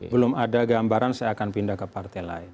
belum ada gambaran saya akan pindah ke partai lain